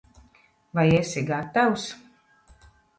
Vai esi gatavs?